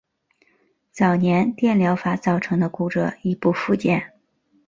早年电疗法造成的骨折已不复见。